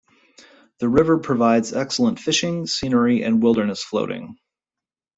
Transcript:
The river provides excellent fishing, scenery, and wilderness floating.